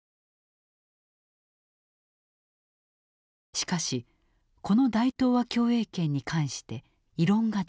しかしこの大東亜共栄圏に関して異論が出た。